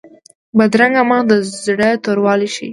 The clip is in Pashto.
بدرنګه مخ د زړه توروالی ښيي